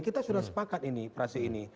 kita sudah sepakat ini prase ini